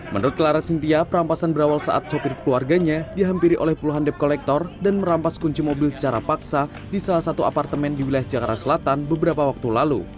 menurut clara sintia perampasan berawal saat sopir keluarganya dihampiri oleh puluhan dep kolektor dan merampas kunci mobil secara paksa di salah satu apartemen di wilayah jakarta selatan beberapa waktu lalu